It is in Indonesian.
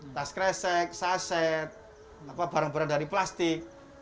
tas kresek saset barang barang dari plastik